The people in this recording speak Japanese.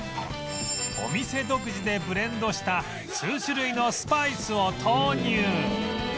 お店独自でブレンドした数種類のスパイスを投入